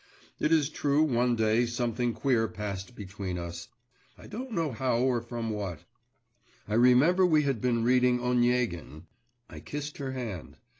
It is true one day something queer passed between us. I don't know how or from what I remember we had been reading Oniegin I kissed her hand.